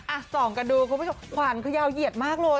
อ่ะส่องกันดูคุณผู้ชมขวานขยาวเหยียดมากเลย